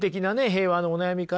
平和のお悩みまで